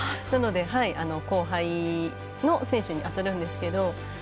なので、後輩の選手に当たるんですけど。